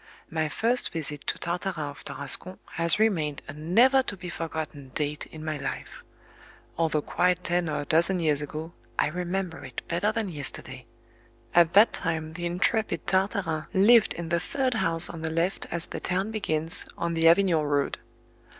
MY first visit to Tartarin of Tarascon has remained a never to be forgotten date in my life; although quite ten or a dozen years ago, I remember it better than yesterday. At that time the intrepid Tartarin lived in the third house on the left as the town begins, on the Avignon road.